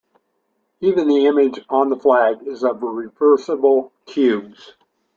Even the image on the flag is of reversible cubes.